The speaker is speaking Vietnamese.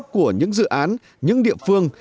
của những dự án những địa phương